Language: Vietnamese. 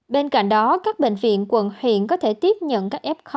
bên cạnh đó các bệnh viện quận huyện có thể tiếp nhận các f